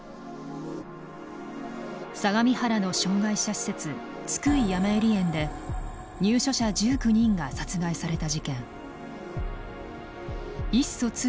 相模原の障害者施設津久井やまゆり園で入所者１９人が殺害された事件。